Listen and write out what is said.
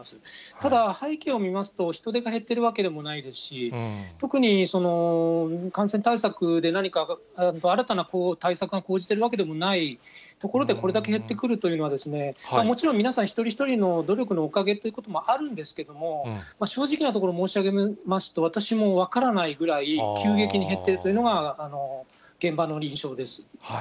ただ、背景を見ますと人出が減ってるわけでもないですし、特に感染対策で何か新たな対策を講じてるわけでもないところで、これだけ減ってくるというのは、もちろん皆さん、一人一人の努力のおかげってこともあるんですけれども、正直なところを申し上げますと、私も分からないぐらい、急激に減ってるというのが現場の印象です。